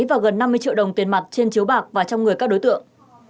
và gần năm mươi triệu đồng tiền mặt trên chiếu bạc và trong người các đối tượng